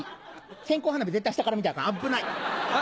線香花火絶対下から見たらアカンあっぶない。